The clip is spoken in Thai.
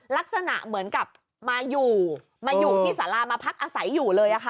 ลักษณะเหมือนกับมาอยู่มาอยู่ที่สารามาพักอาศัยอยู่เลยค่ะ